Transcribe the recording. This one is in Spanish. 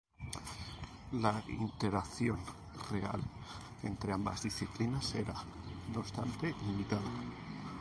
La interacción real entre ambas disciplinas era, no obstante, limitada.